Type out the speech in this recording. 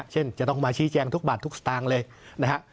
เช่นจะต้องมาชี้แจงทุกบาททุกสตางค์เลย